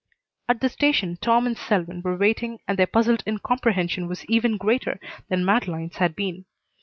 At the station Tom and Selwyn were waiting and their puzzled incomprehension was even greater than Madeleine's had been.